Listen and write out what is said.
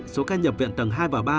số ca nhập viện tầng hai và ba